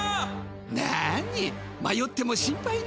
なにまよっても心配ない。